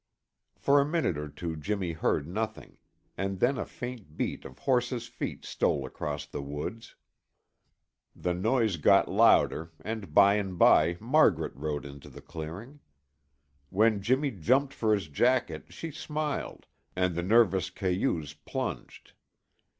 For a minute or two Jimmy heard nothing, and then a faint beat of horse's feet stole across the woods. The noise got louder and by and by Margaret rode into the clearing. When Jimmy jumped for his jacket she smiled and the nervous cayuse plunged.